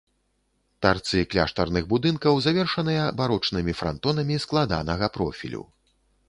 Тарцы кляштарных будынкаў завершаныя барочнымі франтонамі складанага профілю.